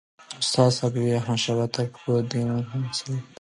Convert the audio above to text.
استاد حبیبي احمدشاه بابا پر پښتو دېوان هم څېړني وکړې.